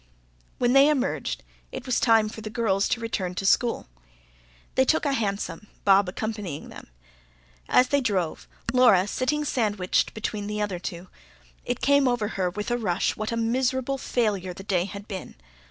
When they emerged, it was time for the girls to return to school. They took a hansom, Bob accompanying them. As they drove, Laura sitting sandwiched between the other two, it came over her with a rush what a miserable failure the day had been.